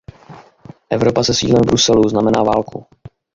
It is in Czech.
Evropa se sídlem v Bruselu znamená válku.